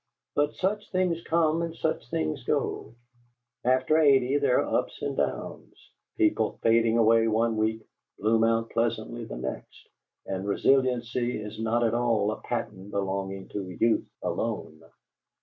But such things come and such things go: after eighty there are ups and downs; people fading away one week, bloom out pleasantly the next, and resiliency is not at all a patent belonging to youth alone.